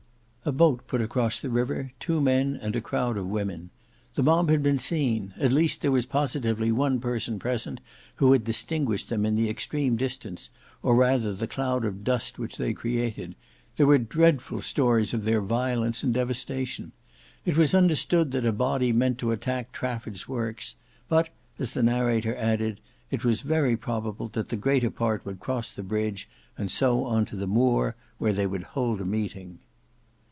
A boat put across the river; two men and a crowd of women. The mob had been seen; at least there was positively one person present who had distinguished them in the extreme distance, or rather the cloud of dust which they created; there were dreadful stories of their violence and devastation. It was understood that a body meant to attack Trafford's works, but, as the narrator added, it was very probable that the greater part would cross the bridge and so on to the Moor, where they would hold a meeting.